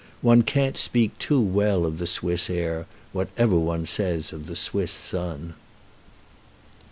One can't speak too well of the Swiss air, whatever one says of the Swiss sun.